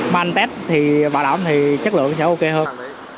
mấy anh test thì bảo đảm thì chất lượng sẽ ok hơn